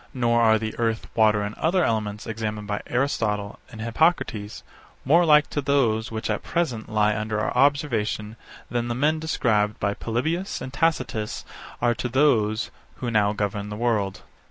Nor are the earth, water, and other elements, examined by Aristotle, and Hippocrates, more like to those which at present lie under our observation than the men described by Polybius and Tacitus are to those who now govern the world.